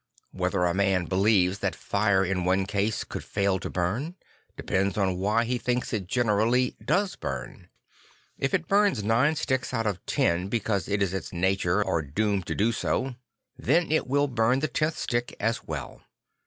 Whether a man believes that fire in one case could fail to burn, depends on why he thinks it generally does bum. If it burns nine sticks out of ten because it is its nature or doom to do so, then it will burn the tenth stick as well.